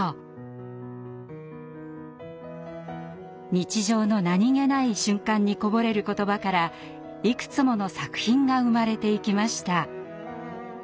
日常の何気ない瞬間にこぼれる言葉からいくつもの作品が生まれていきました。